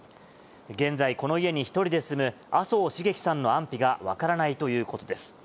現在、この家に１人で住む麻生繁喜さんの安否が分からないということです。